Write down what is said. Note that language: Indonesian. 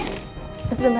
sebentar ya tante